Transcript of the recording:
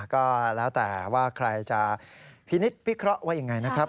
ก็แล้วแต่ว่าใครจะพินิษฐพิเคราะห์ว่ายังไงนะครับ